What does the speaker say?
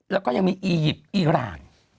แล้วก็ยังมีอียิปต์อีราน